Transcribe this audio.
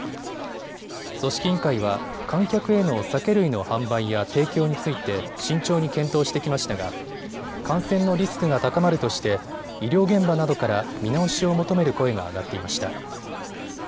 組織委員会は観客への酒類の販売や提供について慎重に検討してきましたが感染のリスクが高まるとして医療現場などから見直しを求める声が上がっていました。